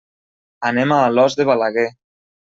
Anem a Alòs de Balaguer.